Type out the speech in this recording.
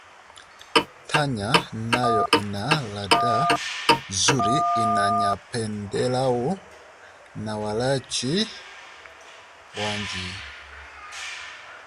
Tanya nayo ina ladha nzuri inayopendelewa na walaji wengi